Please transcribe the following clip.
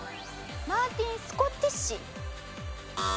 マーティン・スコティッシ。